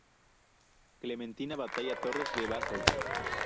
Clementina Batalla Torres de Bassols.